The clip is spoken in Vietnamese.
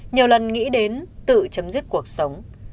nhiều lần nghĩ đến tự chấm dứt cuộc sống